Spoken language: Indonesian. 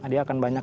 dia akan banyak